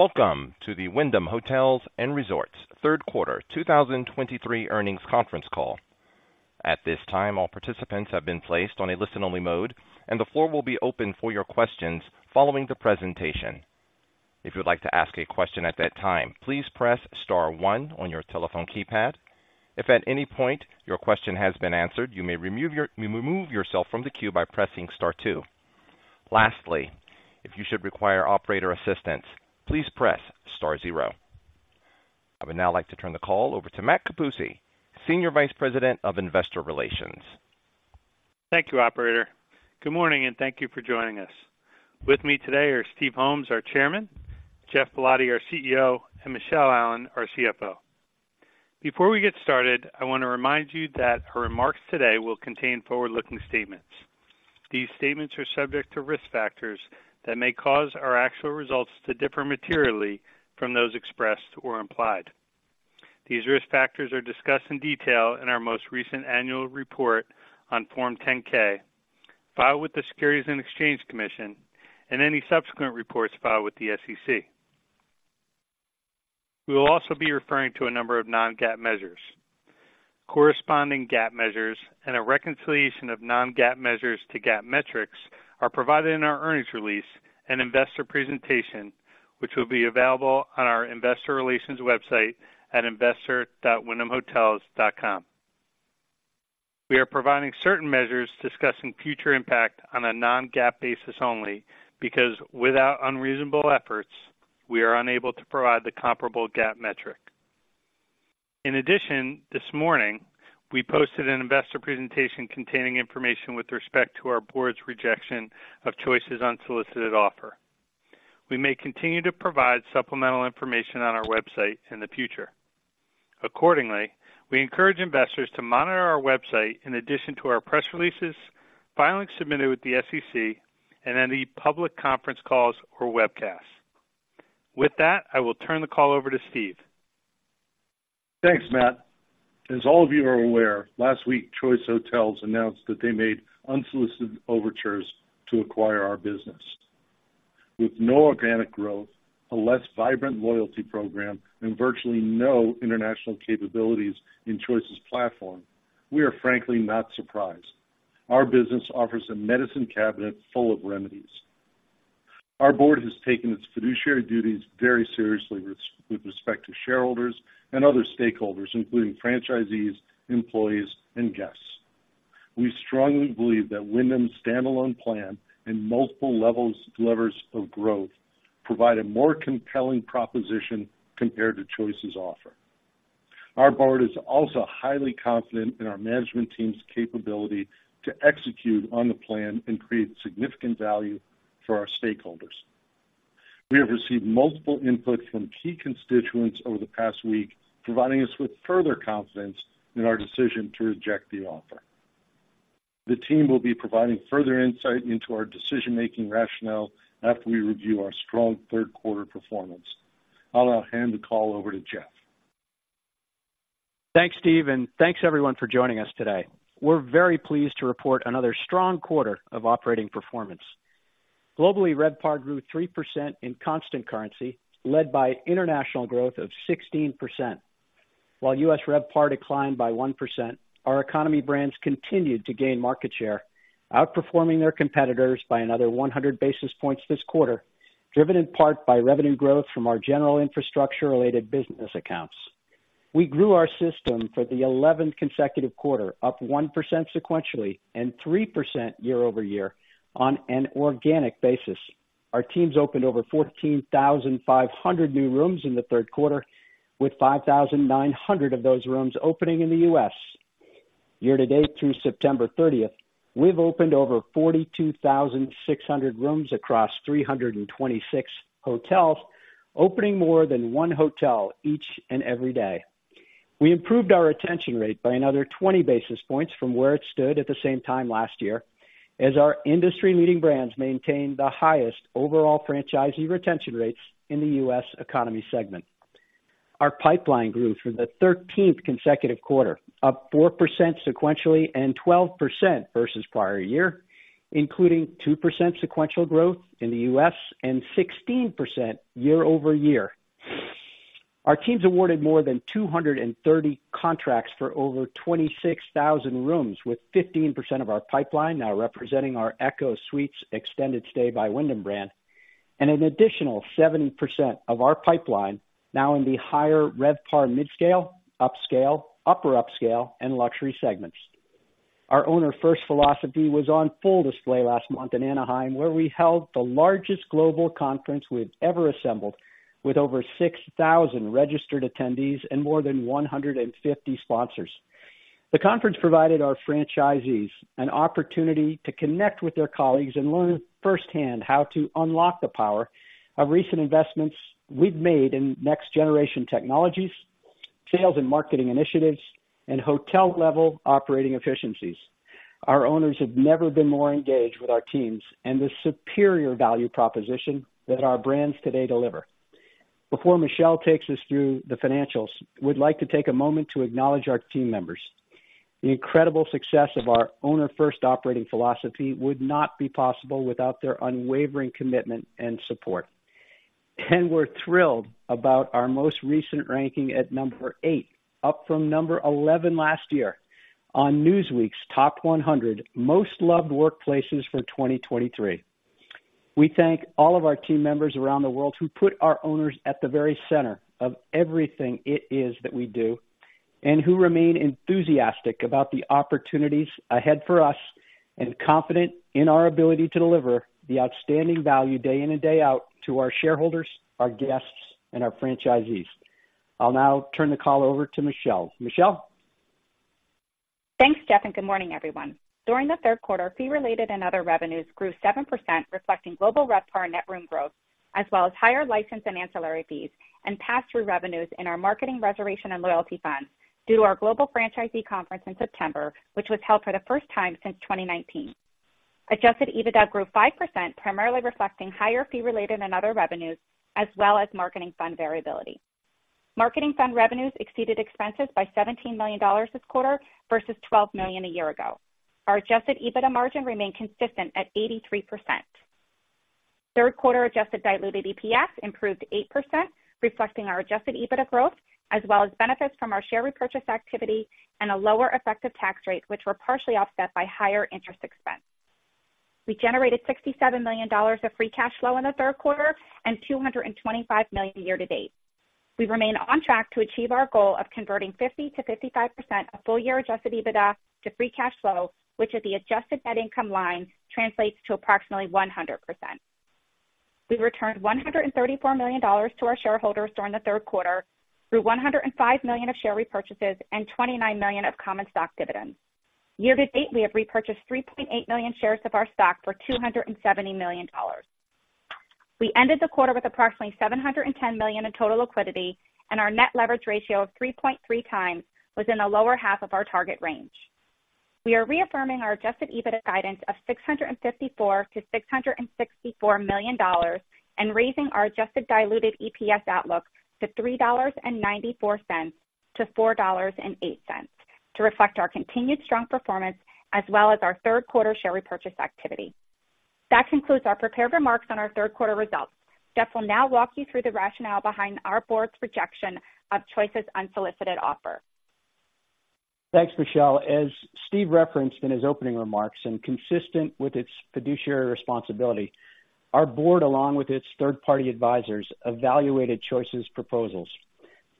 Welcome to the Wyndham Hotels & Resorts third quarter 2023 earnings conference call. At this time, all participants have been placed on a listen-only mode, and the floor will be open for your questions following the presentation. If you'd like to ask a question at that time, please press star one on your telephone keypad. If at any point your question has been answered, you may remove yourself from the queue by pressing star two. Lastly, if you should require operator assistance, please press star zero. I would now like to turn the call over to Matt Capuzzi, Senior Vice President of Investor Relations. Thank you, operator. Good morning, and thank you for joining us. With me today are Steve Holmes, our chairman, Geoff Ballotti, our CEO, and Michele Allen, our CFO. Before we get started, I want to remind you that our remarks today will contain forward-looking statements. These statements are subject to risk factors that may cause our actual results to differ materially from those expressed or implied. These risk factors are discussed in detail in our most recent annual report on Form 10-K, filed with the Securities and Exchange Commission and any subsequent reports filed with the SEC. We will also be referring to a number of non-GAAP measures. Corresponding GAAP measures and a reconciliation of non-GAAP measures to GAAP metrics are provided in our earnings release and investor presentation, which will be available on our investor relations website at investor.wyndhamhotels.com. We are providing certain measures discussing future impact on a non-GAAP basis only because, without unreasonable efforts, we are unable to provide the comparable GAAP metric. In addition, this morning, we posted an investor presentation containing information with respect to our board's rejection of Choice's unsolicited offer. We may continue to provide supplemental information on our website in the future. Accordingly, we encourage investors to monitor our website in addition to our press releases, filings submitted with the SEC, and any public conference calls or webcasts. With that, I will turn the call over to Steve. Thanks, Matt. As all of you are aware, last week, Choice Hotels announced that they made unsolicited overtures to acquire our business. With no organic growth, a less vibrant loyalty program, and virtually no international capabilities in Choice's platform, we are frankly not surprised. Our business offers a medicine cabinet full of remedies. Our board has taken its fiduciary duties very seriously with respect to shareholders and other stakeholders, including franchisees, employees, and guests. We strongly believe that Wyndham's standalone plan and multiple levers of growth provide a more compelling proposition compared to Choice's offer. Our board is also highly confident in our management team's capability to execute on the plan and create significant value for our stakeholders. We have received multiple inputs from key constituents over the past week, providing us with further confidence in our decision to reject the offer. The team will be providing further insight into our decision-making rationale after we review our strong Q3 performance. I'll now hand the call over to Geoff. Thanks, Steve, and thanks, everyone, for joining us today. We're very pleased to report another strong quarter of operating performance. Globally, RevPAR grew 3% in constant currency, led by international growth of 16%. While U.S. RevPAR declined by 1%, our economy brands continued to gain market share, outperforming their competitors by another 100 basis points this quarter, driven in part by revenue growth from our general infrastructure-related business accounts. We grew our system for the 11th consecutive quarter, up 1% sequentially and 3% year-over-year on an organic basis. Our teams opened over 14,500 new rooms in the Q3, with 5,900 of those rooms opening in the U.S. Year to date, through September 30th, we've opened over 42,600 rooms across 326 hotels, opening more than one hotel each and every day. We improved our retention rate by another 20 basis points from where it stood at the same time last year, as our industry-leading brands maintained the highest overall franchisee retention rates in the U.S. economy segment. Our pipeline grew for the 13th consecutive quarter, up 4% sequentially and 12% versus prior year, including 2% sequential growth in the U.S. and 16% year-over-year. Our teams awarded more than 230 contracts for over 26,000 rooms, with 15% of our pipeline now representing our ECHO Suites Extended Stay by Wyndham brand, and an additional 70% of our pipeline now in the higher RevPAR midscale, upscale, upper upscale, and luxury segments. Our owner-first philosophy was on full display last month in Anaheim, where we held the largest global conference we've ever assembled, with over 6,000 registered attendees and more than 150 sponsors. The conference provided our franchisees an opportunity to connect with their colleagues and learn firsthand how to unlock the power of recent investments we've made in next-generation technologies, sales and marketing initiatives, and hotel-level operating efficiencies. Our owners have never been more engaged with our teams and the superior value proposition that our brands today deliver. Before Michele takes us through the financials, we'd like to take a moment to acknowledge our team members.... The incredible success of our owner-first operating philosophy would not be possible without their unwavering commitment and support. And we're thrilled about our most recent ranking at number 8, up from number 11 last year, on Newsweek's Top 100 Most Loved Workplaces for 2023. We thank all of our team members around the world who put our owners at the very center of everything it is that we do, and who remain enthusiastic about the opportunities ahead for us, and confident in our ability to deliver the outstanding value day in and day out to our shareholders, our guests, and our franchisees. I'll now turn the call over to Michele. Michele? Thanks, Geoff, and good morning, everyone. During the Q3, fee-related and other revenues grew 7%, reflecting global RevPAR net room growth, as well as higher license and ancillary fees and pass-through revenues in our marketing, reservation, and loyalty funds due to our Global Franchisee Conference in September, which was held for the first time since 2019. Adjusted EBITDA grew 5%, primarily reflecting higher fee-related and other revenues, as well as marketing fund variability. Marketing fund revenues exceeded expenses by $17 million this quarter versus $12 million a year ago. Our adjusted EBITDA margin remained consistent at 83%. Q3 adjusted diluted EPS improved 8%, reflecting our adjusted EBITDA growth, as well as benefits from our share repurchase activity and a lower effective tax rate, which were partially offset by higher interest expense. We generated $67 million of free cash flow in the Q3 and $225 million year to date. We remain on track to achieve our goal of converting 50%-55% of full-year adjusted EBITDA to free cash flow, which at the adjusted net income line translates to approximately 100%. We returned $134 million to our shareholders during the Q3, through $105 million of share repurchases and $29 million of common stock dividends. Year to date, we have repurchased 3.8 million shares of our stock for $270 million. We ended the quarter with approximately $710 million in total liquidity, and our net leverage ratio of 3.3x was in the lower half of our target range. We are reaffirming our adjusted EBITDA guidance of $654 million-$664 million and raising our adjusted diluted EPS outlook to $3.94-$4.08 to reflect our continued strong performance, as well as our Q3 share repurchase activity. That concludes our prepared remarks on our Q3 results. Geoff will now walk you through the rationale behind our board's rejection of Choice's unsolicited offer. Thanks, Michele. As Steve referenced in his opening remarks, and consistent with its fiduciary responsibility, our board, along with its third-party advisors, evaluated Choice's proposals.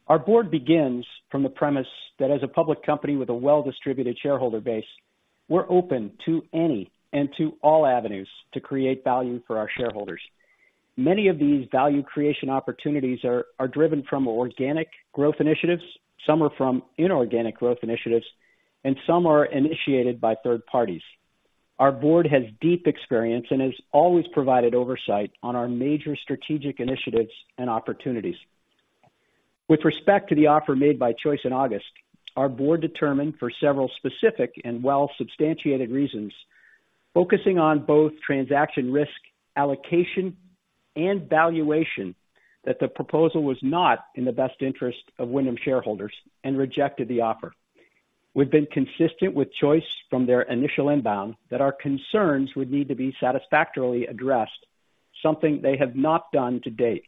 Our board begins from the premise that as a public company with a well-distributed shareholder base, we're open to any and to all avenues to create value for our shareholders. Many of these value creation opportunities are driven from organic growth initiatives, some are from inorganic growth initiatives, and some are initiated by third parties. Our board has deep experience and has always provided oversight on our major strategic initiatives and opportunities. With respect to the offer made by Choice in August, our board determined for several specific and well-substantiated reasons, focusing on both transaction risk, allocation, and valuation, that the proposal was not in the best interest of Wyndham shareholders and rejected the offer. We've been consistent with Choice from their initial inbound that our concerns would need to be satisfactorily addressed, something they have not done to date.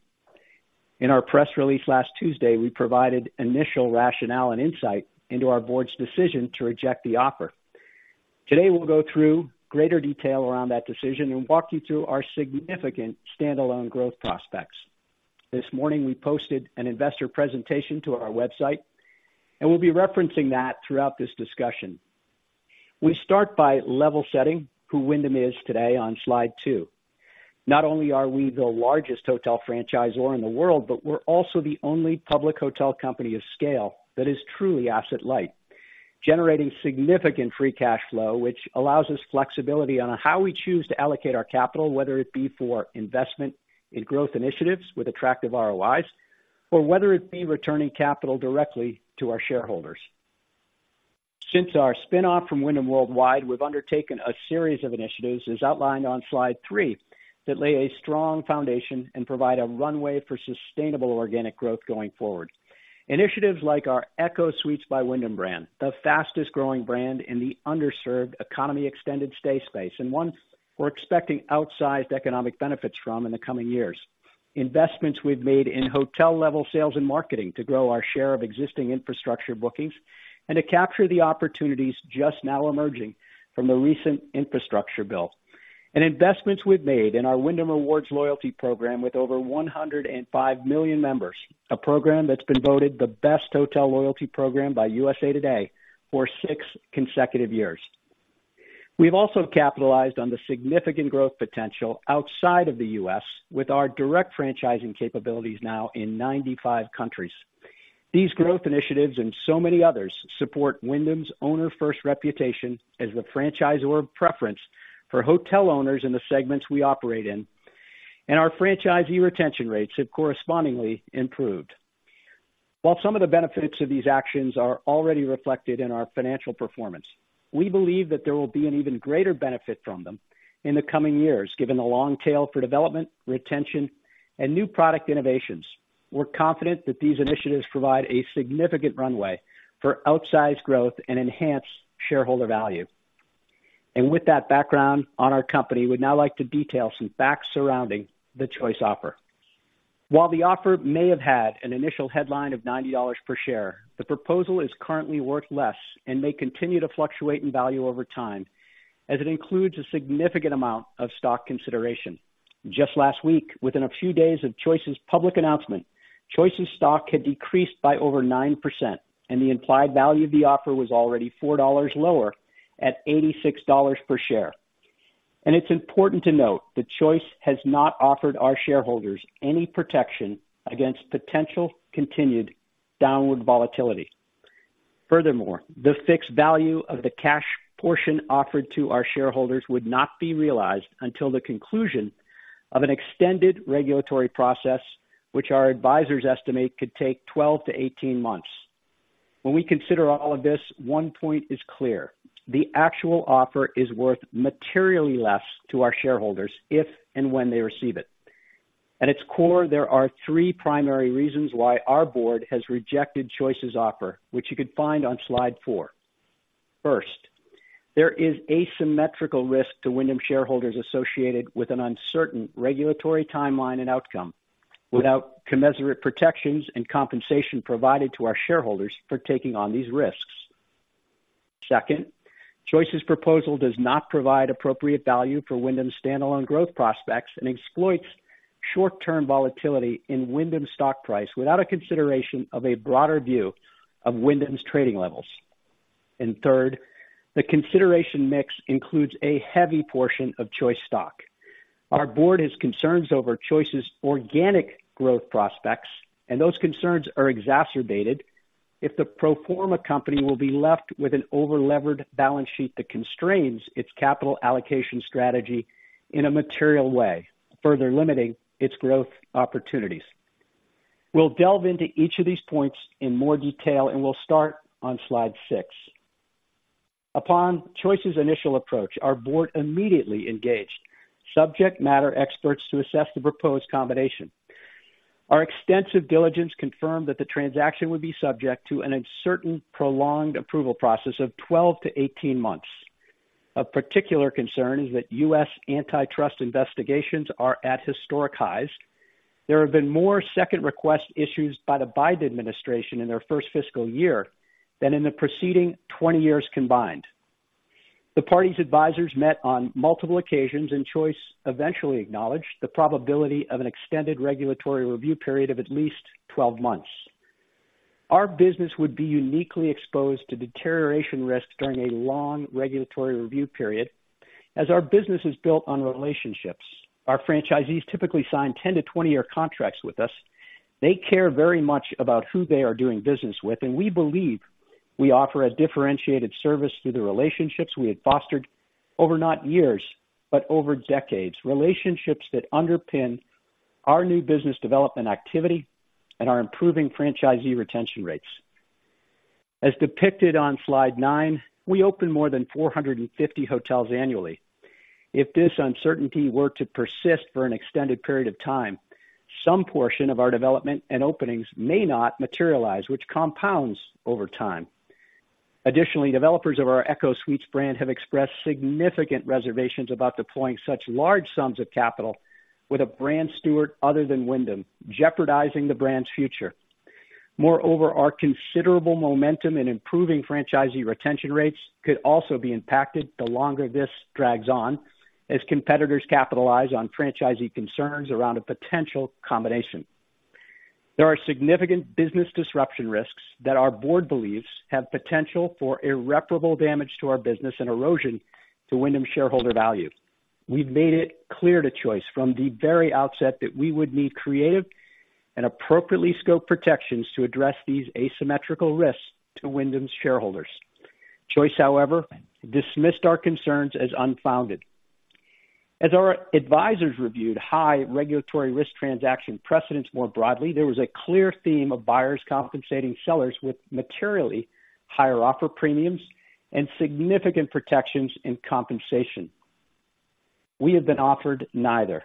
In our press release last Tuesday, we provided initial rationale and insight into our board's decision to reject the offer. Today, we'll go through greater detail around that decision and walk you through our significant standalone growth prospects. This morning, we posted an investor presentation to our website, and we'll be referencing that throughout this discussion. We start by level setting who Wyndham is today on slide two. Not only are we the largest hotel franchisor in the world, but we're also the only public hotel company of scale that is truly asset light, generating significant free cash flow, which allows us flexibility on how we choose to allocate our capital, whether it be for investment in growth initiatives with attractive ROIs, or whether it be returning capital directly to our shareholders. Since our spin-off from Wyndham Worldwide, we've undertaken a series of initiatives, as outlined on slide three, that lay a strong foundation and provide a runway for sustainable organic growth going forward. Initiatives like our ECHO Suites by Wyndham brand, the fastest growing brand in the underserved economy extended stay space, and one we're expecting outsized economic benefits from in the coming years. Investments we've made in hotel-level sales and marketing to grow our share of existing infrastructure bookings and to capture the opportunities just now emerging from the recent infrastructure bill. And investments we've made in our Wyndham Rewards loyalty program with over 105 million members, a program that's been voted the best hotel loyalty program by USA Today for six consecutive years. We've also capitalized on the significant growth potential outside of the U.S. with our direct franchising capabilities now in 95 countries. These growth initiatives and so many others support Wyndham's owner-first reputation as the franchisor of preference for hotel owners in the segments we operate in, and our franchisee retention rates have correspondingly improved. While some of the benefits of these actions are already reflected in our financial performance.... We believe that there will be an even greater benefit from them in the coming years, given the long tail for development, retention, and new product innovations. We're confident that these initiatives provide a significant runway for outsized growth and enhanced shareholder value. And with that background on our company, we'd now like to detail some facts surrounding the Choice offer. While the offer may have had an initial headline of $90 per share, the proposal is currently worth less and may continue to fluctuate in value over time, as it includes a significant amount of stock consideration. Just last week, within a few days of Choice's public announcement, Choice's stock had decreased by over 9%, and the implied value of the offer was already $4 lower at $86 per share. It's important to note that Choice has not offered our shareholders any protection against potential continued downward volatility. Furthermore, the fixed value of the cash portion offered to our shareholders would not be realized until the conclusion of an extended regulatory process, which our advisors estimate could take 12-18 months. When we consider all of this, one point is clear: the actual offer is worth materially less to our shareholders if and when they receive it. At its core, there are three primary reasons why our board has rejected Choice's offer, which you could find on slide four. First, there is asymmetrical risk to Wyndham shareholders associated with an uncertain regulatory timeline and outcome, without commensurate protections and compensation provided to our shareholders for taking on these risks. Second, Choice's proposal does not provide appropriate value for Wyndham's standalone growth prospects and exploits short-term volatility in Wyndham's stock price without a consideration of a broader view of Wyndham's trading levels. And third, the consideration mix includes a heavy portion of Choice stock. Our board has concerns over Choice's organic growth prospects, and those concerns are exacerbated if the pro forma company will be left with an over-levered balance sheet that constrains its capital allocation strategy in a material way, further limiting its growth opportunities. We'll delve into each of these points in more detail, and we'll start on slide 6. Upon Choice's initial approach, our board immediately engaged subject matter experts to assess the proposed combination. Our extensive diligence confirmed that the transaction would be subject to an uncertain, prolonged approval process of 12-18 months. Of particular concern is that U.S. antitrust investigations are at historic highs. There have been more Second Request issues by the Biden Administration in their first fiscal year than in the preceding 20 years combined. The parties' advisors met on multiple occasions, and Choice eventually acknowledged the probability of an extended regulatory review period of at least 12 months. Our business would be uniquely exposed to deterioration risks during a long regulatory review period, as our business is built on relationships. Our franchisees typically sign 10- to 20-year contracts with us. They care very much about who they are doing business with, and we believe we offer a differentiated service through the relationships we had fostered over not years, but over decades. Relationships that underpin our new business development activity and our improving franchisee retention rates. As depicted on slide 9, we open more than 450 hotels annually. If this uncertainty were to persist for an extended period of time, some portion of our development and openings may not materialize, which compounds over time. Additionally, developers of our ECHO Suites brand have expressed significant reservations about deploying such large sums of capital with a brand steward other than Wyndham, jeopardizing the brand's future. Moreover, our considerable momentum in improving franchisee retention rates could also be impacted the longer this drags on, as competitors capitalize on franchisee concerns around a potential combination. There are significant business disruption risks that our board believes have potential for irreparable damage to our business and erosion to Wyndham's shareholder value. We've made it clear to Choice from the very outset that we would need creative and appropriately scoped protections to address these asymmetrical risks to Wyndham's shareholders. Choice, however, dismissed our concerns as unfounded. As our advisors reviewed high regulatory risk transaction precedents more broadly, there was a clear theme of buyers compensating sellers with materially higher offer premiums and significant protections and compensation. We have been offered neither.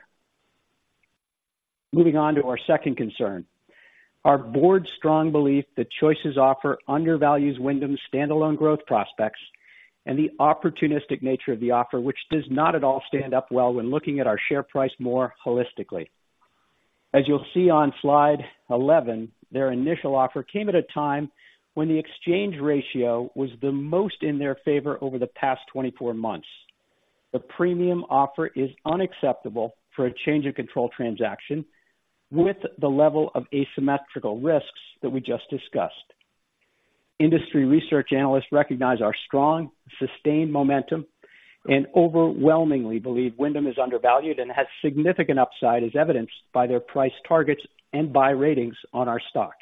Moving on to our second concern. Our board's strong belief that Choice's offer undervalues Wyndham's standalone growth prospects and the opportunistic nature of the offer, which does not at all stand up well when looking at our share price more holistically. As you'll see on Slide 11, their initial offer came at a time when the exchange ratio was the most in their favor over the past 24 months. The premium offer is unacceptable for a change in control transaction with the level of asymmetrical risks that we just discussed. Industry research analysts recognize our strong, sustained momentum and overwhelmingly believe Wyndham is undervalued and has significant upside, as evidenced by their price targets and buy ratings on our stock.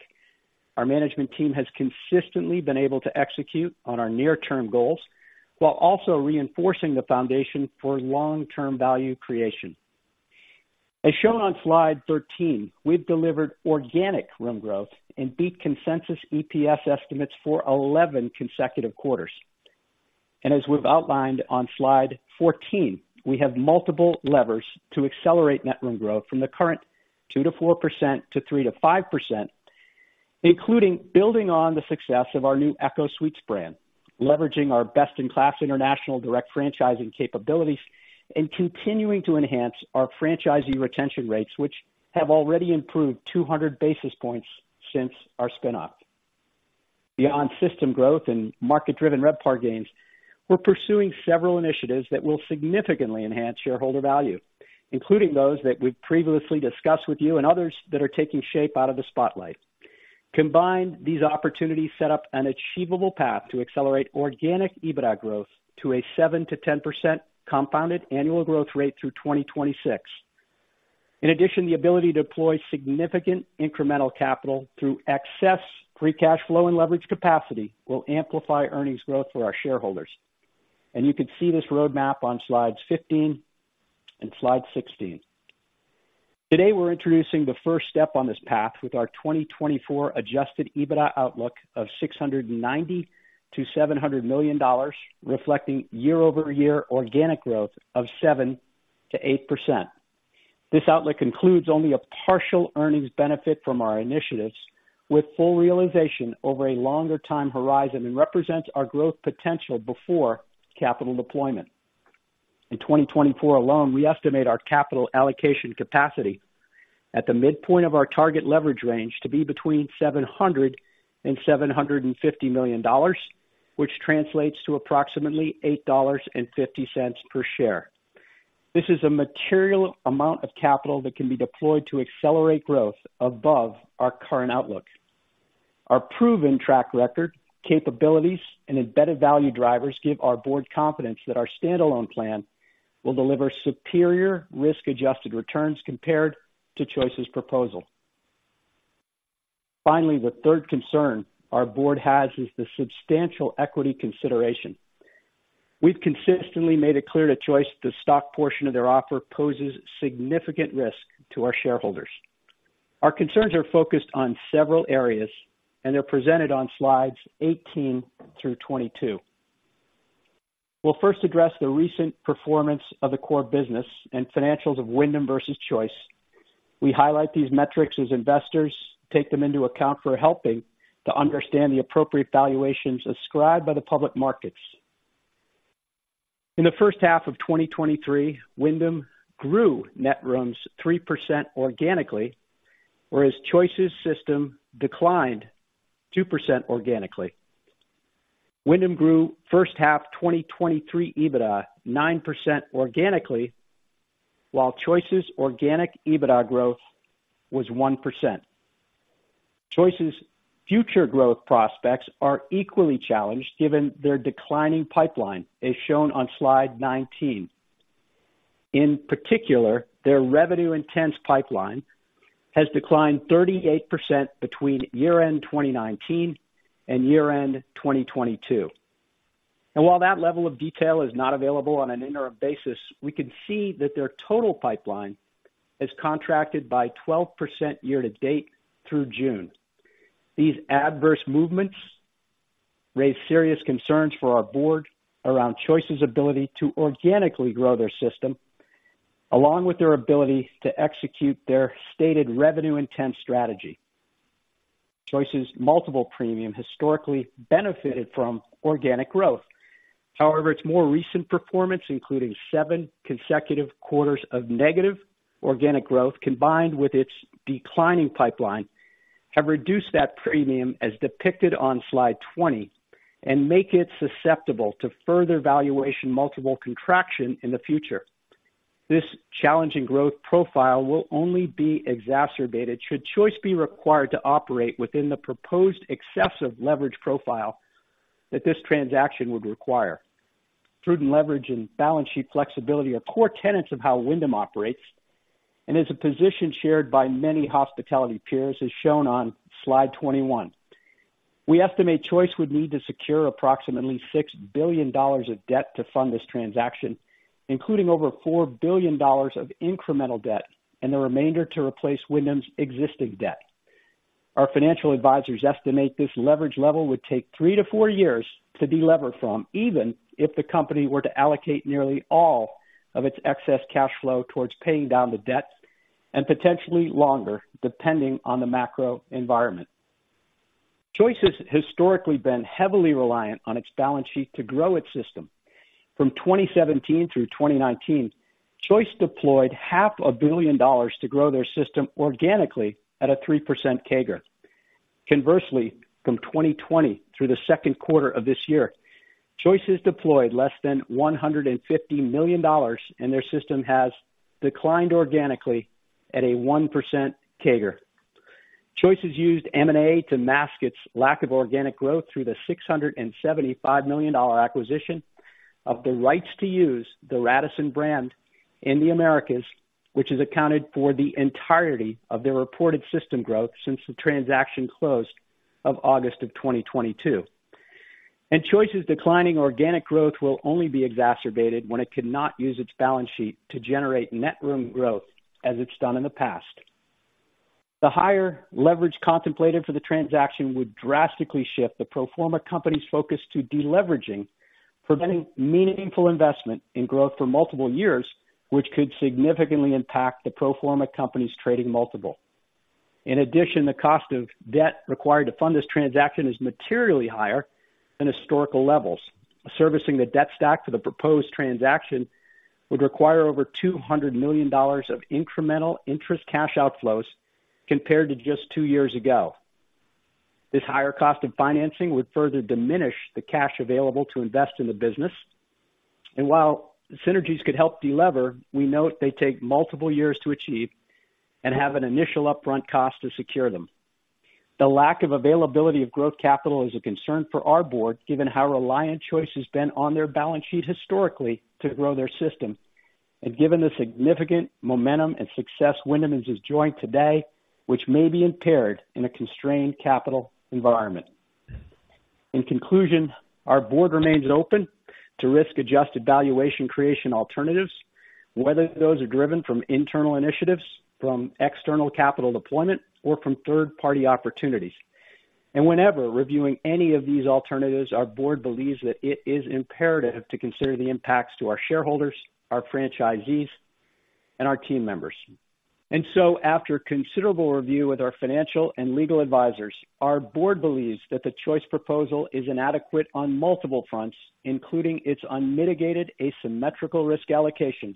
Our management team has consistently been able to execute on our near-term goals while also reinforcing the foundation for long-term value creation.... As shown on slide 13, we've delivered organic room growth and beat consensus EPS estimates for 11 consecutive quarters. As we've outlined on slide 14, we have multiple levers to accelerate net room growth from the current 2%-4% to 3%-5%, including building on the success of our new ECHO Suites brand, leveraging our best-in-class international direct franchising capabilities, and continuing to enhance our franchisee retention rates, which have already improved 200 basis points since our spin-off. Beyond system growth and market-driven RevPAR gains, we're pursuing several initiatives that will significantly enhance shareholder value, including those that we've previously discussed with you and others that are taking shape out of the spotlight. Combined, these opportunities set up an achievable path to accelerate organic EBITDA growth to a 7%-10% compounded annual growth rate through 2026. In addition, the ability to deploy significant incremental capital through excess free cash flow and leverage capacity will amplify earnings growth for our shareholders. You can see this roadmap on slides 15 and 16. Today, we're introducing the first step on this path with our 2024 adjusted EBITDA outlook of $690 million-$700 million, reflecting year-over-year organic growth of 7%-8%. This outlook includes only a partial earnings benefit from our initiatives, with full realization over a longer time horizon, and represents our growth potential before capital deployment. In 2024 alone, we estimate our capital allocation capacity at the midpoint of our target leverage range to be between $700 million and $750 million, which translates to approximately $8.50 per share. This is a material amount of capital that can be deployed to accelerate growth above our current outlook. Our proven track record, capabilities, and embedded value drivers give our board confidence that our standalone plan will deliver superior risk-adjusted returns compared to Choice's proposal. Finally, the third concern our board has is the substantial equity consideration. We've consistently made it clear to Choice the stock portion of their offer poses significant risk to our shareholders. Our concerns are focused on several areas, and they're presented on slides 18 through 22. We'll first address the recent performance of the core business and financials of Wyndham versus Choice. We highlight these metrics as investors take them into account for helping to understand the appropriate valuations ascribed by the public markets. In the first half of 2023, Wyndham grew net rooms 3% organically, whereas Choice's system declined 2% organically. Wyndham grew first half 2023 EBITDA 9% organically, while Choice's organic EBITDA growth was 1%. Choice's future growth prospects are equally challenged, given their declining pipeline, as shown on Slide 19. In particular, their revenue-intensive pipeline has declined 38% between year-end 2019 and year-end 2022. While that level of detail is not available on an interim basis, we can see that their total pipeline has contracted by 12% year to date through June. These adverse movements raise serious concerns for our board around Choice's ability to organically grow their system, along with their ability to execute their stated revenue intent strategy. Choice's multiple premium historically benefited from organic growth. However, its more recent performance, including 7 consecutive quarters of negative organic growth, combined with its declining pipeline, have reduced that premium, as depicted on Slide 20, and make it susceptible to further valuation multiple contraction in the future. This challenging growth profile will only be exacerbated should Choice be required to operate within the proposed excessive leverage profile that this transaction would require. Prudent leverage and balance sheet flexibility are core tenets of how Wyndham operates and is a position shared by many hospitality peers, as shown on Slide 21. We estimate Choice would need to secure approximately $6 billion of debt to fund this transaction, including over $4 billion of incremental debt and the remainder to replace Wyndham's existing debt. Our financial advisors estimate this leverage level would take 3-4 years to delever from, even if the company were to allocate nearly all of its excess cash flow towards paying down the debt and potentially longer, depending on the macro environment. Choice has historically been heavily reliant on its balance sheet to grow its system. From 2017 through 2019, Choice deployed $500 million to grow their system organically at a 3% CAGR. Conversely, from 2020 through the Q2 of this year, Choice has deployed less than $150 million, and their system has declined organically at a 1% CAGR. Choice has used M&A to mask its lack of organic growth through the $675 million acquisition of the rights to use the Radisson brand in the Americas, which has accounted for the entirety of their reported system growth since the transaction closed in August 2022. Choice's declining organic growth will only be exacerbated when it cannot use its balance sheet to generate net room growth as it's done in the past. The higher leverage contemplated for the transaction would drastically shift the pro forma company's focus to deleveraging, preventing meaningful investment in growth for multiple years, which could significantly impact the pro forma company's trading multiple. In addition, the cost of debt required to fund this transaction is materially higher than historical levels. Servicing the debt stack for the proposed transaction would require over $200 million of incremental interest cash outflows compared to just two years ago. This higher cost of financing would further diminish the cash available to invest in the business. And while synergies could help delever, we note they take multiple years to achieve and have an initial upfront cost to secure them. The lack of availability of growth capital is a concern for our board, given how reliant Choice has been on their balance sheet historically to grow their system, and given the significant momentum and success Wyndham is enjoying today, which may be impaired in a constrained capital environment. In conclusion, our board remains open to risk-adjusted valuation creation alternatives, whether those are driven from internal initiatives, from external capital deployment, or from third-party opportunities. And whenever reviewing any of these alternatives, our board believes that it is imperative to consider the impacts to our shareholders, our franchisees, and our team members. And so, after considerable review with our financial and legal advisors, our board believes that the Choice proposal is inadequate on multiple fronts, including its unmitigated asymmetrical risk allocation,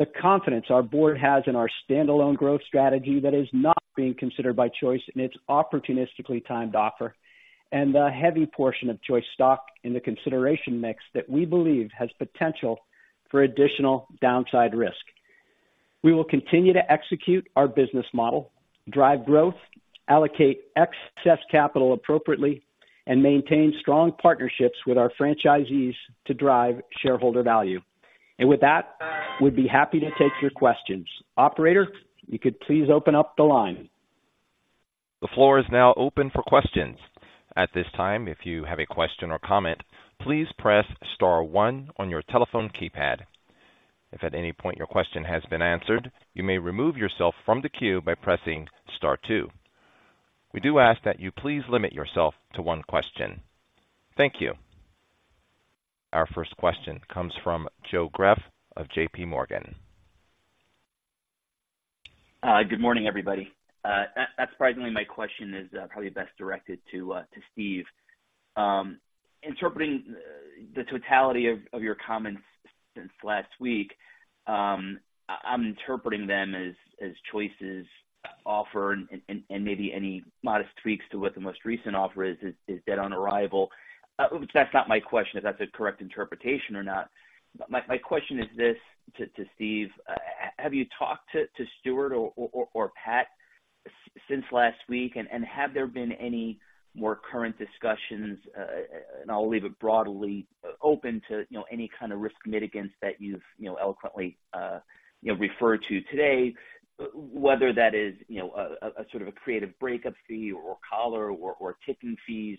the confidence our board has in our standalone growth strategy that is not being considered by Choice in its opportunistically timed offer, and the heavy portion of Choice stock in the consideration mix that we believe has potential for additional downside risk. We will continue to execute our business model, drive growth, allocate excess capital appropriately, and maintain strong partnerships with our franchisees to drive shareholder value. With that, we'd be happy to take your questions. Operator, you could please open up the line. The floor is now open for questions. At this time, if you have a question or comment, please press star one on your telephone keypad. If at any point your question has been answered, you may remove yourself from the queue by pressing star two. We do ask that you please limit yourself to one question. Thank you. Our first question comes from Joe Greff of JPMorgan. Good morning, everybody. Surprisingly, my question is probably best directed to Steve. Interpreting the totality of your comments since last week, I'm interpreting them as Choice's offer and maybe any modest tweaks to what the most recent offer is is dead on arrival. That's not my question, if that's a correct interpretation or not. My question is this, to Steve, have you talked to Stewart or Pat since last week? Have there been any more current discussions, and I'll leave it broadly open to, you know, any kind of risk mitigants that you've, you know, eloquently referred to today, whether that is, you know, a sort of a creative breakup fee or collar or tipping fees,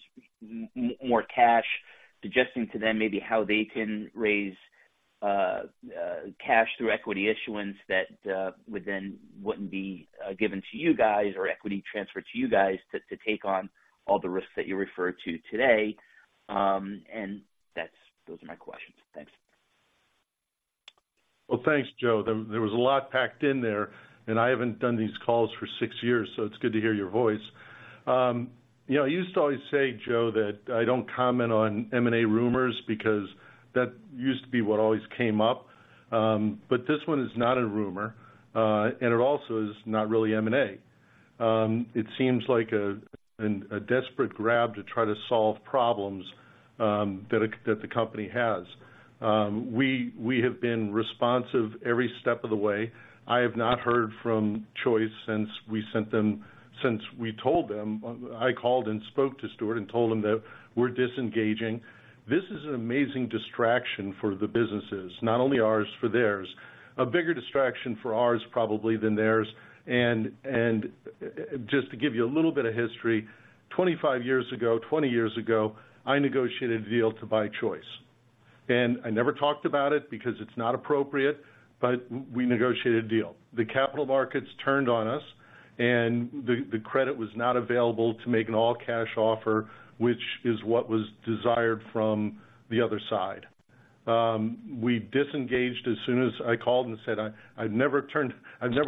more cash, suggesting to them maybe how they can raise cash through equity issuance that would then wouldn't be given to you guys or equity transferred to you guys to take on all the risks that you referred to today. And that's... Those are my questions. Thanks. Well, thanks, Joe. There was a lot packed in there, and I haven't done these calls for six years, so it's good to hear your voice. You know, I used to always say, Joe, that I don't comment on M&A rumors because that used to be what always came up. But this one is not a rumor, and it also is not really M&A. It seems like a desperate grab to try to solve problems that the company has. We have been responsive every step of the way. I have not heard from Choice since we told them. I called and spoke to Stewart and told him that we're disengaging. This is an amazing distraction for the businesses, not only ours, for theirs. A bigger distraction for ours probably than theirs. And just to give you a little bit of history, 25 years ago, 20 years ago, I negotiated a deal to buy Choice, and I never talked about it because it's not appropriate, but we negotiated a deal. The capital markets turned on us, and the credit was not available to make an all-cash offer, which is what was desired from the other side. We disengaged as soon as I called and said, I've never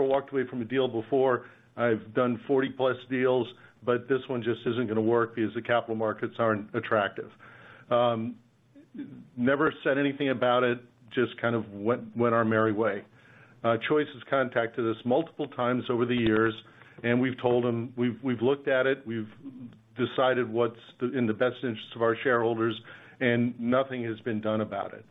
walked away from a deal before. I've done 40+ deals, but this one just isn't going to work because the capital markets aren't attractive. Never said anything about it, just kind of went our merry way. Choice has contacted us multiple times over the years, and we've told them we've looked at it, we've decided what's in the best interest of our shareholders, and nothing has been done about it.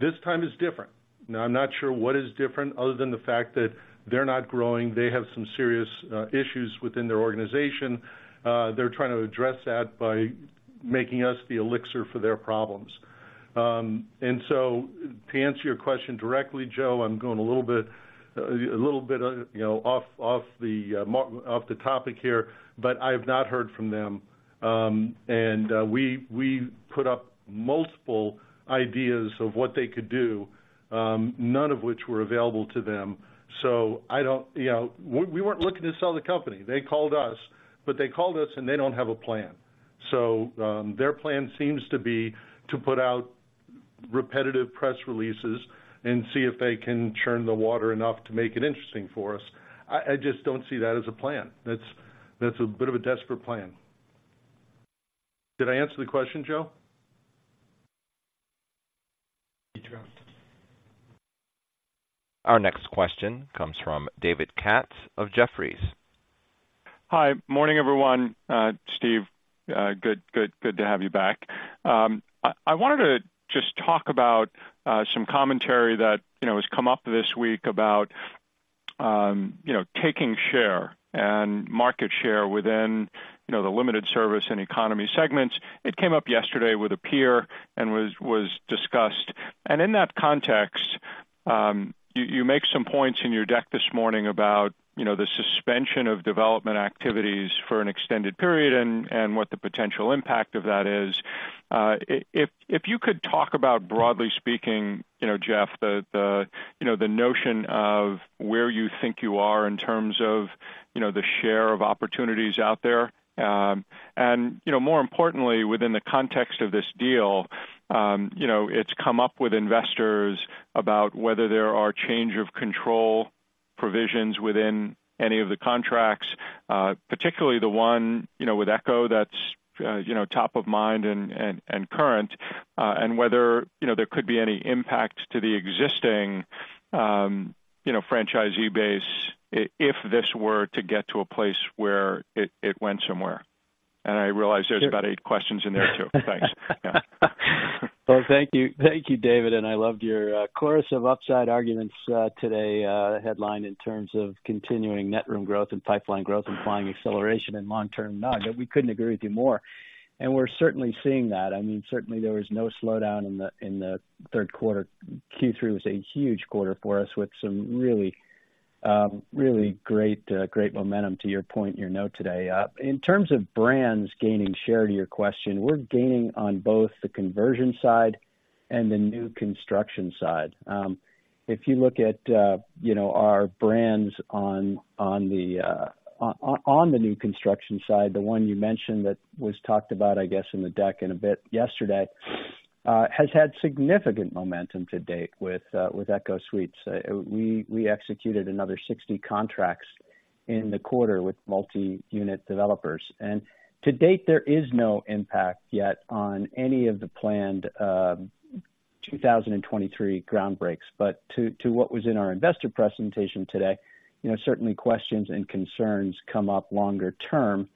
This time is different. Now, I'm not sure what is different, other than the fact that they're not growing. They have some serious issues within their organization. They're trying to address that by making us the elixir for their problems. And so to answer your question directly, Joe, I'm going a little bit, you know, off the topic here, but I have not heard from them. And we put up multiple ideas of what they could do, none of which were available to them. So I don't... You know, we weren't looking to sell the company. They called us, but they called us, and they don't have a plan. So, their plan seems to be to put out repetitive press releases and see if they can churn the water enough to make it interesting for us. I, I just don't see that as a plan. That's, that's a bit of a desperate plan. Did I answer the question, Joe? Our next question comes from David Katz of Jefferies. Hi. Morning, everyone. Steve, good, good, good to have you back. I wanted to just talk about some commentary that, you know, has come up this week about, you know, taking share and market share within, you know, the limited service and economy segments. It came up yesterday with a peer and was discussed. In that context, you make some points in your deck this morning about, you know, the suspension of development activities for an extended period and what the potential impact of that is. If you could talk about, broadly speaking, you know, Geoff, the notion of where you think you are in terms of, you know, the share of opportunities out there. And, you know, more importantly, within the context of this deal, you know, it's come up with investors about whether there are change of control provisions within any of the contracts, particularly the one, you know, with ECHO that's, you know, top of mind and current, and whether, you know, there could be any impact to the existing, you know, franchisee base if this were to get to a place where it went somewhere. And I realize there's about eight questions in there, too. Thanks. Yeah. Well, thank you. Thank you, David, and I loved your chorus of upside arguments today, headline in terms of continuing net room growth and pipeline growth and flying acceleration and long-term nudge, but we couldn't agree with you more. We're certainly seeing that. I mean, certainly there was no slowdown in the Q3. Q3 was a huge quarter for us, with some really, really great, great momentum, to your point in your note today. In terms of brands gaining share, to your question, we're gaining on both the conversion side and the new construction side. If you look at, you know, our brands on the new construction side, the one you mentioned that was talked about, I guess, in the deck and a bit yesterday, has had significant momentum to date with ECHO Suites. We executed another 60 contracts in the quarter with multi-unit developers, and to date, there is no impact yet on any of the planned 2023 ground breaks. But to what was in our investor presentation today, you know, certainly questions and concerns come up longer term,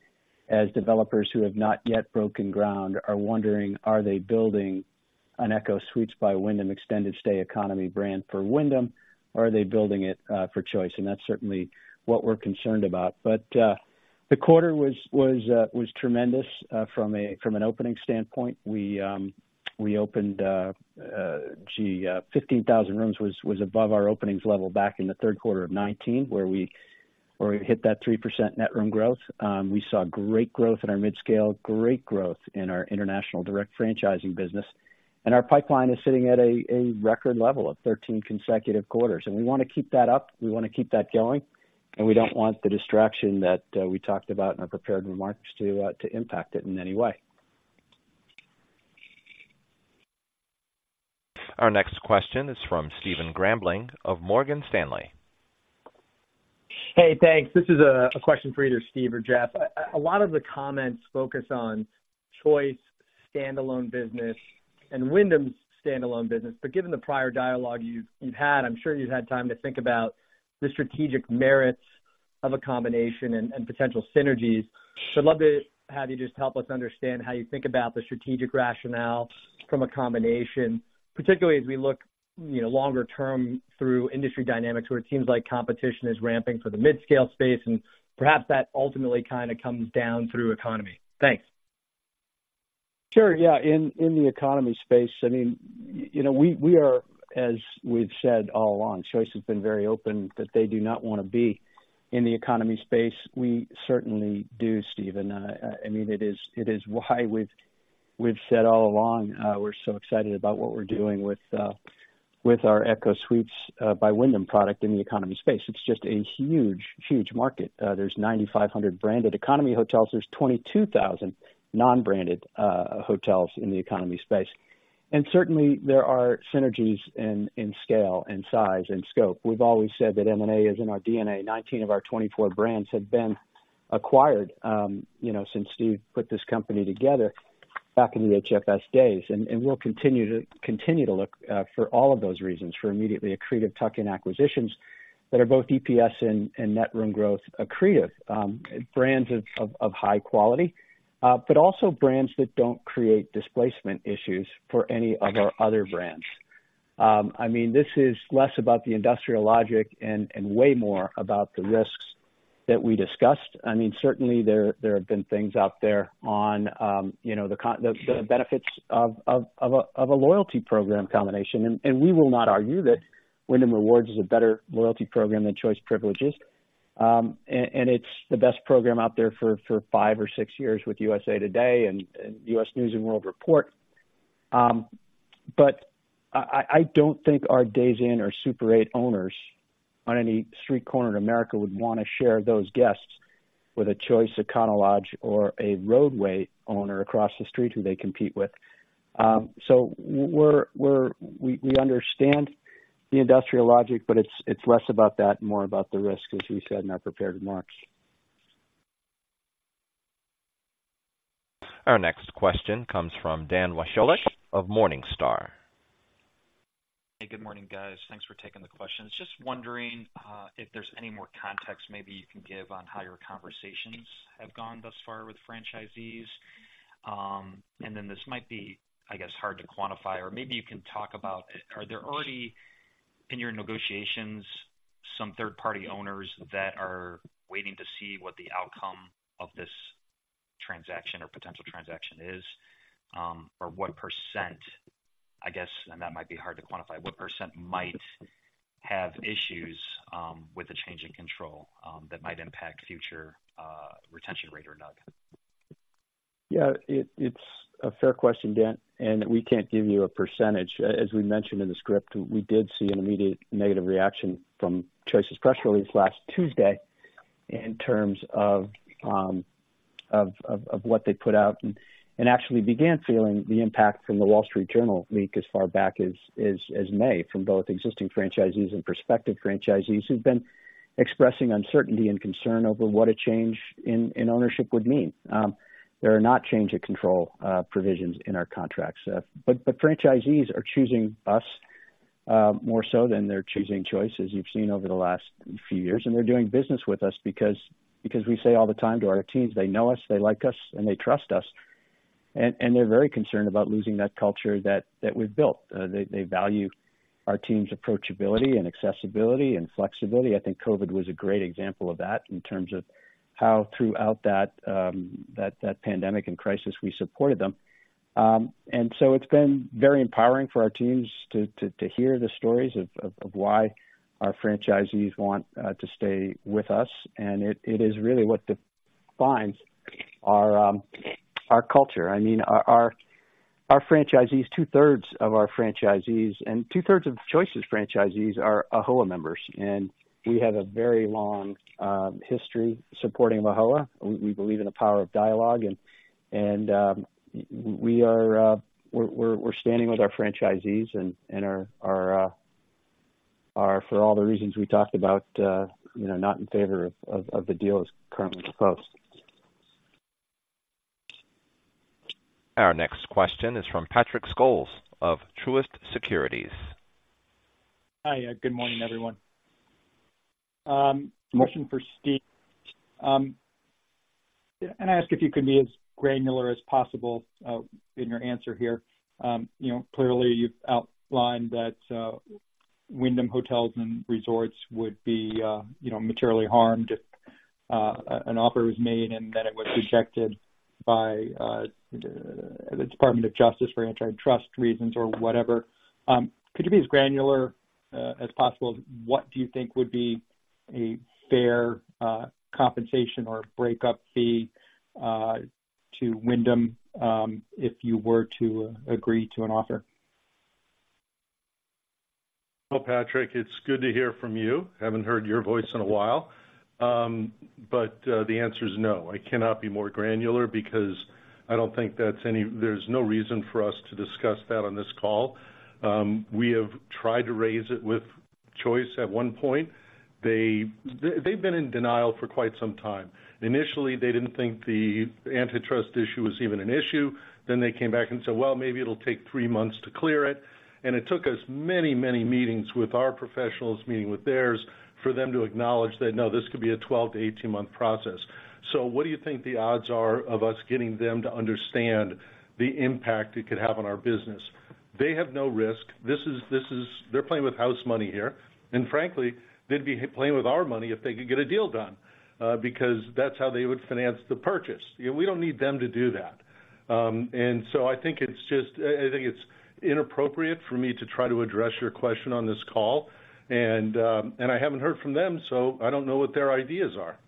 as developers who have not yet broken ground are wondering, are they building an ECHO Suites by Wyndham Extended Stay economy brand for Wyndham, or are they building it for Choice? And that's certainly what we're concerned about. But, the quarter was tremendous from an opening standpoint. We opened 15,000 rooms was above our openings level back in the Q3 of 2019, where we hit that 3% net room growth. We saw great growth in our midscale, great growth in our international direct franchising business, and our pipeline is sitting at a record level of 13 consecutive quarters. And we wanna keep that up, we wanna keep that going, and we don't want the distraction that we talked about in our prepared remarks to impact it in any way. Our next question is from Stephen Grambling of Morgan Stanley. Hey, thanks. This is a question for either Steve or Geoff. A lot of the comments focus on Choice standalone business and Wyndham's standalone business, but given the prior dialogue you've had, I'm sure you've had time to think about the strategic merits of a combination and potential synergies. So I'd love to have you just help us understand how you think about the strategic rationale from a combination, particularly as we look, you know, longer term through industry dynamics, where it seems like competition is ramping for the midscale space, and perhaps that ultimately kind of comes down through economy. Thanks. Sure. Yeah. In the economy space, I mean, you know, we are, as we've said all along, Choice has been very open that they do not want to be in the economy space. We certainly do, Steven. I mean, it is why we've said all along, we're so excited about what we're doing with our ECHO Suites by Wyndham product in the economy space. It's just a huge, huge market. There's 9,500 branded economy hotels. There's 22,000 non-branded hotels in the economy space. And certainly, there are synergies in scale and size and scope. We've always said that M&A is in our DNA. Nineteen of our 24 brands have been acquired, you know, since Steve put this company together back in the HFS days. We'll continue to look for all of those reasons for immediately accretive tuck-in acquisitions that are both EPS and net room growth accretive. Brands of high quality, but also brands that don't create displacement issues for any of our other brands. I mean, this is less about the industrial logic and way more about the risks that we discussed. I mean, certainly there have been things out there on, you know, the benefits of a loyalty program combination. We will not argue that Wyndham Rewards is a better loyalty program than Choice Privileges. It's the best program out there for five or six years with USA Today and U.S. News & World Report. But I don't think our Days Inn or Super 8 owners on any street corner in America would wanna share those guests with a Choice, Econo Lodge, or a Roadway Inn owner across the street who they compete with. So we understand the industrial logic, but it's less about that and more about the risk, as we said in our prepared remarks. Our next question comes from Dan Wasiolek of Morningstar. Hey, good morning, guys. Thanks for taking the questions. Just wondering, if there's any more context maybe you can give on how your conversations have gone thus far with franchisees. And then this might be, I guess, hard to quantify, or maybe you can talk about, are there already, in your negotiations, some third-party owners that are waiting to see what the outcome of this transaction or potential transaction is? Or what percent, I guess, and that might be hard to quantify, what percent might have issues, with the change in control, that might impact future, retention rate or NRG? Yeah, it's a fair question, Dan, and we can't give you a percentage. As we mentioned in the script, we did see an immediate negative reaction from Choice's press release last Tuesday in terms of what they put out, and actually began feeling the impact from The Wall Street Journal leak as far back as May, from both existing franchisees and prospective franchisees, who've been expressing uncertainty and concern over what a change in ownership would mean. There are no change of control provisions in our contracts. But franchisees are choosing us more so than they're choosing Choice, as you've seen over the last few years, and they're doing business with us because we say all the time to our teams, they know us, they like us, and they trust us. They're very concerned about losing that culture that we've built. They value our team's approachability and accessibility and flexibility. I think COVID was a great example of that in terms of how throughout that pandemic and crisis, we supported them. And so it's been very empowering for our teams to hear the stories of why our franchisees want to stay with us, and it is really what defines our culture. I mean, our franchisees, two-thirds of our franchisees and two-thirds of Choice's franchisees are AHLA members, and we have a very long history supporting AHLA. We believe in the power of dialogue, and we are standing with our franchisees and are, for all the reasons we talked about, you know, not in favor of the deal as currently proposed. Our next question is from Patrick Scholes of Truist Securities. Hi, good morning, everyone. Question for Steve. Can I ask if you could be as granular as possible, in your answer here? You know, clearly, you've outlined that, Wyndham Hotels and Resorts would be, you know, materially harmed if, an offer was made and then it was rejected by, the Department of Justice for antitrust reasons or whatever. Could you be as granular, as possible, what do you think would be a fair, compensation or breakup fee, to Wyndham, if you were to agree to an offer? Well, Patrick, it's good to hear from you. I haven't heard your voice in a while. But the answer is no. I cannot be more granular because I don't think there's any reason for us to discuss that on this call. We have tried to raise it with Choice at one point. They've been in denial for quite some time. Initially, they didn't think the antitrust issue was even an issue. Then they came back and said, "Well, maybe it'll take three months to clear it." And it took us many, many meetings with our professionals, meeting with theirs, for them to acknowledge that, no, this could be a 12-18-month process. So what do you think the odds are of us getting them to understand the impact it could have on our business? They have no risk. This is—they're playing with house money here, and frankly, they'd be playing with our money if they could get a deal done, because that's how they would finance the purchase. You know, we don't need them to do that. And so I think it's just... I think it's inappropriate for me to try to address your question on this call, and I haven't heard from them, so I don't know what their ideas are.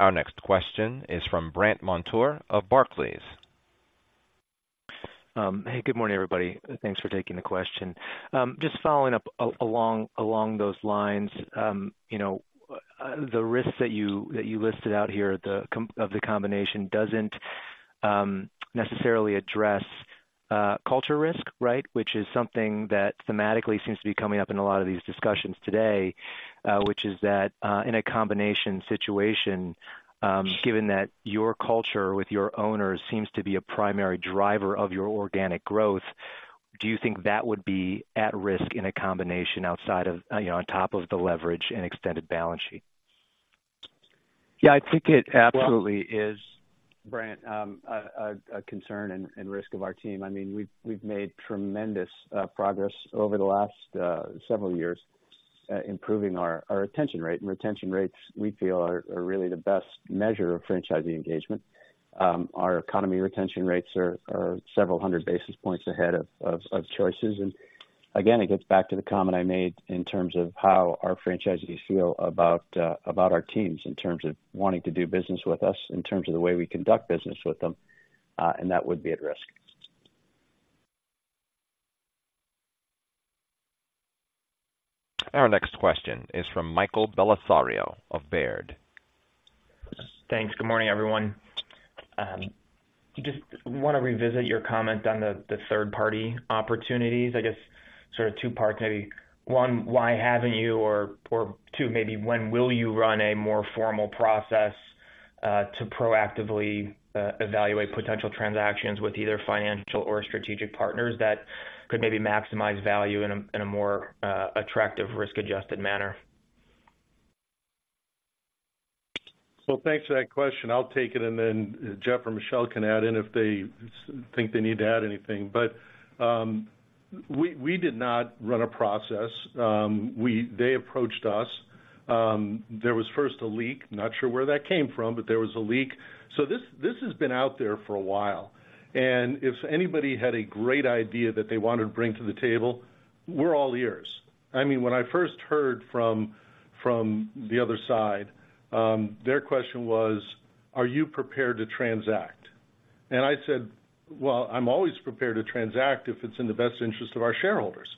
Our next question is from Brandt Montour of Barclays. Hey, good morning, everybody. Thanks for taking the question. Just following up along those lines, you know, the risks that you listed out here, the combination doesn't necessarily address culture risk, right? Which is something that thematically seems to be coming up in a lot of these discussions today, which is that, in a combination situation, given that your culture with your owners seems to be a primary driver of your organic growth, do you think that would be at risk in a combination outside of, you know, on top of the leverage and extended balance sheet? Yeah, I think it absolutely is, Brandt, a concern and risk of our team. I mean, we've made tremendous progress over the last several years improving our retention rate. And retention rates, we feel are really the best measure of franchisee engagement. Our economy retention rates are several hundred basis points ahead of Choice's. And again, it gets back to the comment I made in terms of how our franchisees feel about our teams, in terms of wanting to do business with us, in terms of the way we conduct business with them, and that would be at risk. Our next question is from Michael Bellisario of Baird. Thanks. Good morning, everyone. Just wanna revisit your comment on the third-party opportunities. I guess sort of two parts, maybe. One, why haven't you? Or two, maybe when will you run a more formal process to proactively evaluate potential transactions with either financial or strategic partners that could maybe maximize value in a more attractive risk-adjusted manner? So thanks for that question. I'll take it, and then Geoff or Michele can add in if they think they need to add anything. But we did not run a process. They approached us. There was first a leak. Not sure where that came from, but there was a leak. So this has been out there for a while, and if anybody had a great idea that they wanted to bring to the table, we're all ears. I mean, when I first heard from the other side, their question was: "Are you prepared to transact?" And I said: "Well, I'm always prepared to transact if it's in the best interest of our shareholders.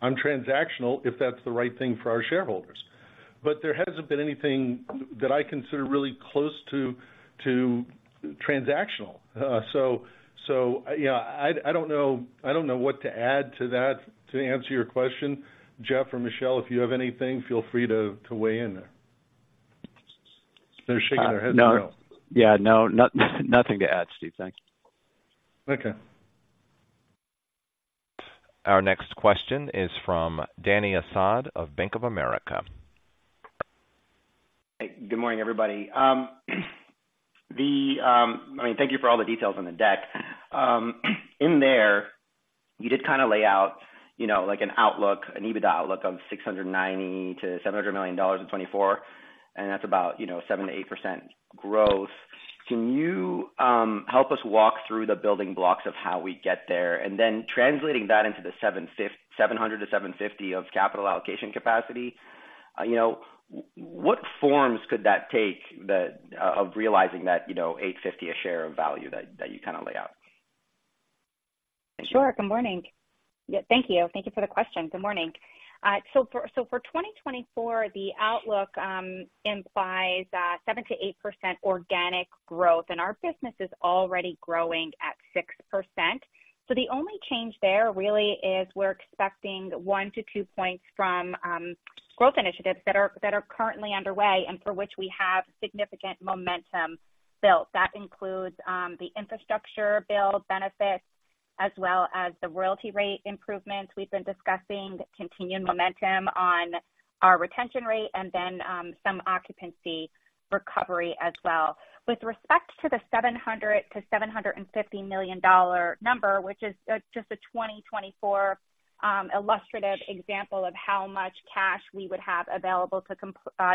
I'm transactional if that's the right thing for our shareholders." But there hasn't been anything that I consider really close to transactional. Yeah, I don't know what to add to that to answer your question. Geoff or Michele, if you have anything, feel free to weigh in there. They're shaking their heads no. Yeah, nothing to add, Steve. Thanks. Okay. Our next question is from Dany Asad of Bank of America. Hey, good morning, everybody. I mean, thank you for all the details on the deck. In there, you did kind of lay out, you know, like an outlook, an EBITDA outlook of $690 million-$700 million in 2024, and that's about, you know, 7%-8% growth. Can you help us walk through the building blocks of how we get there, and then translating that into the $700 million-$750 million of capital allocation capacity? You know, what forms could that take, of realizing that, you know, $8.50 a share of value that you kind of lay out? Sure. Good morning. Yeah, thank you. Thank you for the question. Good morning. So for 2024, the outlook implies 7%-8% organic growth, and our business is already growing at 6%. So the only change there really is we're expecting 1-2 points from growth initiatives that are currently underway and for which we have significant momentum built. That includes the infrastructure build benefits as well as the royalty rate improvements we've been discussing, continued momentum on our retention rate, and then some occupancy recovery as well. With respect to the $700-$750 million number, which is just a 2024 illustrative example of how much cash we would have available to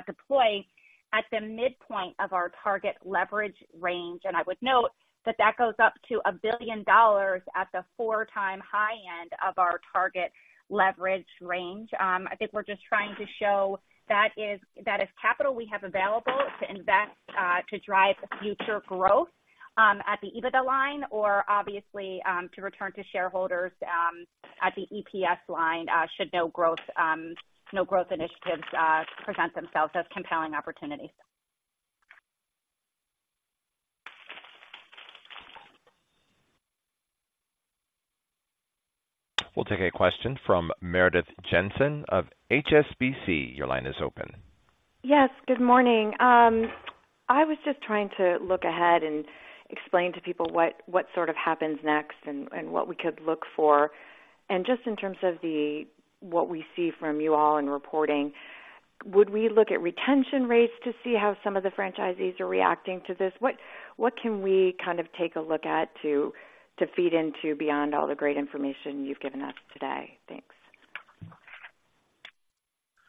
deploy at the midpoint of our target leverage range, and I would note that that goes up to $1 billion at the 4x high end of our target leverage range. I think we're just trying to show that is, that is capital we have available to invest to drive future growth at the EBITDA line, or obviously to return to shareholders at the EPS line should no growth no growth initiatives present themselves as compelling opportunities. We'll take a question from Meredith Jensen of HSBC. Your line is open. Yes, good morning. I was just trying to look ahead and explain to people what, what sort of happens next and, and what we could look for. Just in terms of the, what we see from you all in reporting, would we look at retention rates to see how some of the franchisees are reacting to this? What, what can we kind of take a look at to, to feed into beyond all the great information you've given us today? Thanks.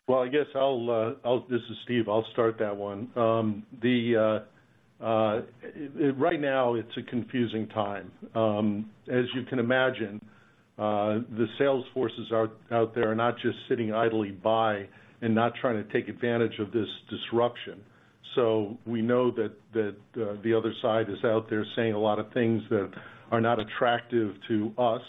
Well, I guess I'll—this is Steve. I'll start that one. Right now, it's a confusing time. As you can imagine, the sales forces are out there not just sitting idly by and not trying to take advantage of this disruption. So we know that the other side is out there saying a lot of things that are not attractive to us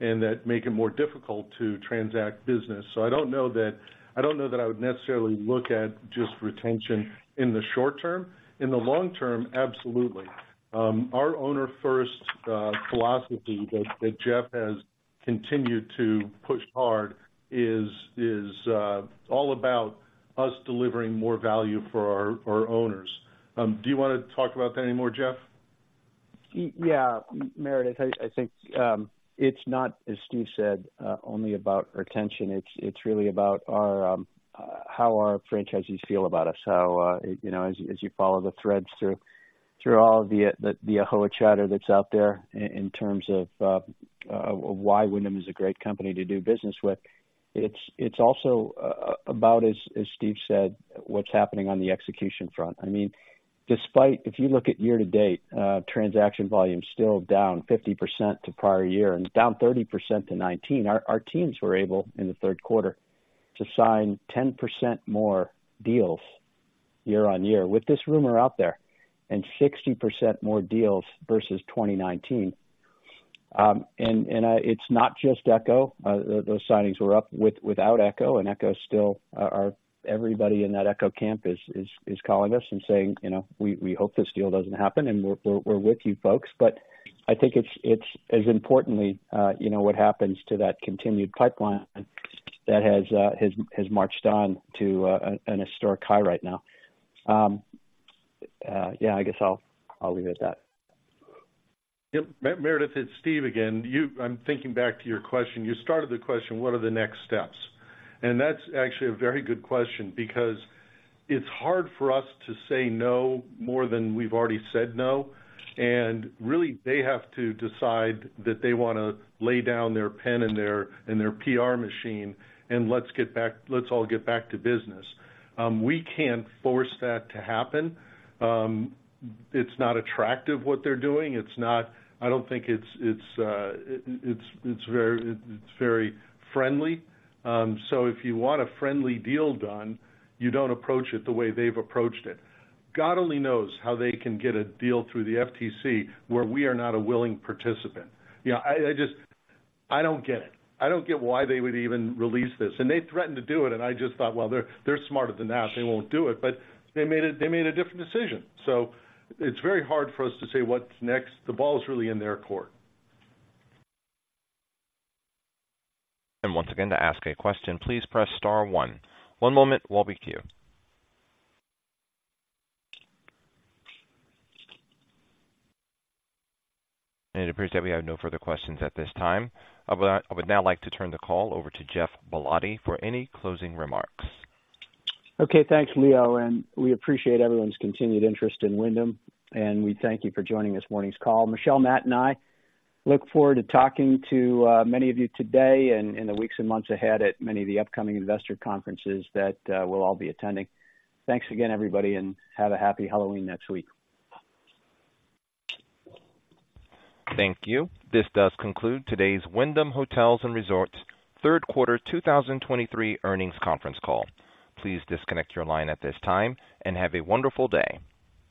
and that make it more difficult to transact business. So I don't know that I would necessarily look at just retention in the short term. In the long term, absolutely. Our owner-first philosophy that Geoff has continued to push hard is all about us delivering more value for our owners. Do you wanna talk about that anymore, Geoff? Yeah, Meredith, I think it's not, as Steve said, only about retention. It's really about how our franchisees feel about us. How, you know, as you follow the threads through all the AAHOA chatter that's out there in terms of why Wyndham is a great company to do business with. It's also about, as Steve said, what's happening on the execution front. I mean, despite, if you look at year to date, transaction volume is still down 50% to prior year and down 30% to 2019. Our teams were able, in the Q3, to sign 10% more deals year-on-year with this rumor out there, and 60% more deals versus 2019. It's not just ECHO. Those signings were up without ECHO, and ECHO is still our... Everybody in that ECHO camp is calling us and saying: "You know, we hope this deal doesn't happen, and we're with you folks." But I think it's as importantly, you know, what happens to that continued pipeline that has marched on to an historic high right now. Yeah, I guess I'll leave it at that. Yep. Meredith, it's Steve again. I'm thinking back to your question. You started the question, what are the next steps? And that's actually a very good question because it's hard for us to say no more than we've already said no, and really, they have to decide that they wanna lay down their pen and their PR machine, and let's get back to business. Let's all get back to business. We can't force that to happen. It's not attractive what they're doing. It's not. I don't think it's very friendly. So if you want a friendly deal done, you don't approach it the way they've approached it. God only knows how they can get a deal through the FTC where we are not a willing participant. You know, I just don't get it. I don't get why they would even release this, and they threatened to do it, and I just thought, well, they're smarter than that. They won't do it, but they made a different decision. So it's very hard for us to say what's next. The ball's really in their court. Once again, to ask a question, please press star one. One moment while we queue. It appears that we have no further questions at this time. I would like, I would now like to turn the call over to Geoff Ballotti for any closing remarks. Okay, thanks, Leo, and we appreciate everyone's continued interest in Wyndham, and we thank you for joining this morning's call. Michele, Matt, and I look forward to talking to many of you today and in the weeks and months ahead at many of the upcoming investor conferences that we'll all be attending. Thanks again, everybody, and have a happy Halloween next week. Thank you. This does conclude today's Wyndham Hotels & Resorts Q3 2023 earnings conference call. Please disconnect your line at this time and have a wonderful day.